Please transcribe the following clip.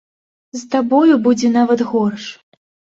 З табою будзе нават горш.